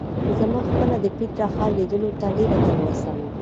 زما خپله د پېټرا ښار لیدلو ته ډېره تلوسه وه.